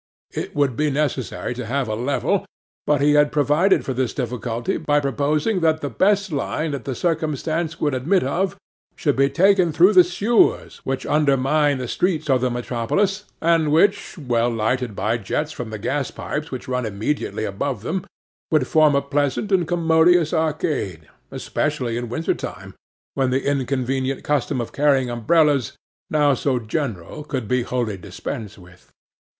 It would be necessary to have a level, but he had provided for this difficulty by proposing that the best line that the circumstances would admit of, should be taken through the sewers which undermine the streets of the metropolis, and which, well lighted by jets from the gas pipes which run immediately above them, would form a pleasant and commodious arcade, especially in winter time, when the inconvenient custom of carrying umbrellas, now so general, could be wholly dispensed with.